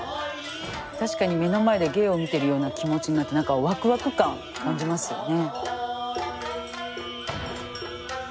確かに目の前で芸を見てるような気持ちになって何かワクワク感感じますよね。